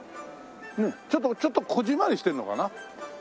ちょっとちょっとこぢんまりしてるのかな？